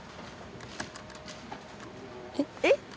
「えっ？